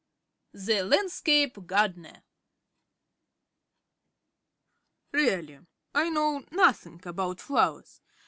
THE LANDSCAPE GARDENER Really I know nothing about flowers.